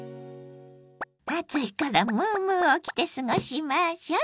暑いからムームーを着て過ごしましょ！